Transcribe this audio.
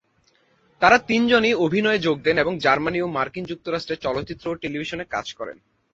তারা তিনজনই অভিনয়ে যোগ দেন এবং জার্মানি ও মার্কিন যুক্তরাষ্ট্রে চলচ্চিত্র ও টেলিভিশনে কাজ করেন।